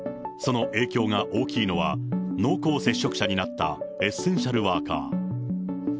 その影響が大きいのは、濃厚接触者になったエッセンシャルワーカー。